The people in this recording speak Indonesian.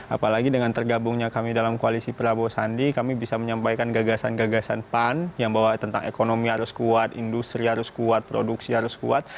apalagi dengan tergabungnya kami dalam koalisi prabowo sandi kami bisa menyampaikan gagasan gagasan pan yang bahwa tentang ekonomi harus kuat industri harus kuat produksi harus kuat